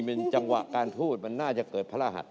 เป็นจังหวะการพูดมันน่าจะเกิดพระรหัส